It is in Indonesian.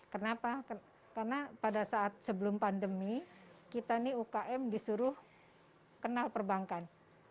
kenapa karena pada saat sebelum pandemi kita ini ukm disuruh kenal perbankan